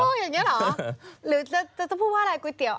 เอออย่างเงี้ยเหรอหรือจะพูดว่าร้ายก๋วยเตี๋ยว